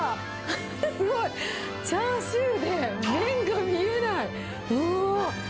すごい、チャーシューで、麺が見えない。